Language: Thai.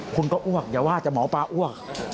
คุณก็อ้วกอย่าว่าแต่หมอปลาอ้วก